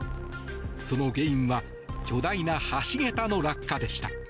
その原因は巨大な橋桁の落下でした。